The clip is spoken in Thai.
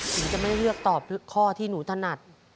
หนูจะไม่เลือกตอบข้อที่หนูถนัด